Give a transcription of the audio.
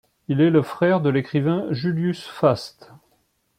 Il est le frère de l'écrivain Julius Fast.